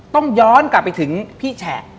ต้องย้อนกลับไปถึงพี่แฉะ